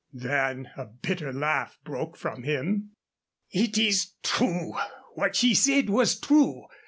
Then a bitter laugh broke from him. "It is true what she said was true.